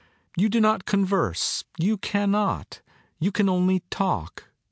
You do not converse; you cannot; you can only talk.